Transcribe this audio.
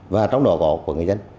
và trong đó có của người dân